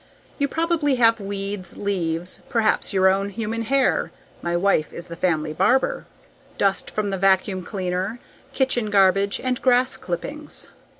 You probably have weeds, leaves, perhaps your own human hair (my wife is the family barber), dust from the vacuum cleaner, kitchen garbage and grass clippings.